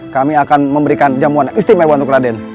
kami akan memberikan jamuan istimewa untuk raden